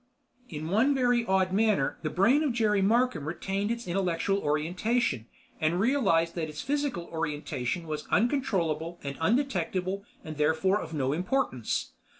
In one very odd manner, the brain of Jerry Markham retained its intellectual orientation, and realized that its physical orientation was uncontrollable and undetectable and therefore of no importance.